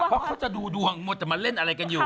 เพราะเขาจะดูดวงมัวแต่มาเล่นอะไรกันอยู่